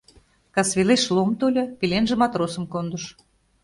Касвелеш Лом тольо, пеленже матросым кондыш.